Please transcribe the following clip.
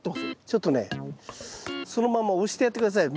ちょっとねそのまんま押してやって下さい。